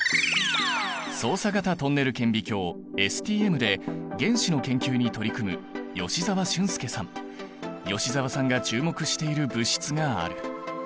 走査型トンネル顕微鏡ＳＴＭで原子の研究に取り組む吉澤さんが注目している物質がある。